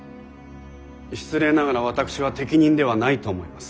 失礼ながら私は適任ではないと思います。